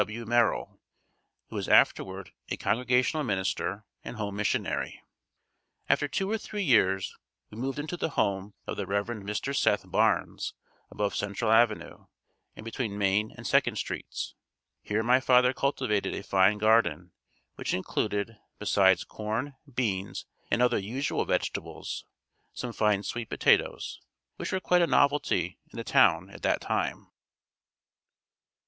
W. Merrill, who was afterward a Congregational minister and home missionary. After two or three years we moved into the home of the Rev. Mr. Seth Barnes above Central Avenue, and between Main and Second streets. Here my father cultivated a fine garden which included, besides corn, beans and other usual vegetables, some fine sweet potatoes, which were quite a novelty in the town at that time.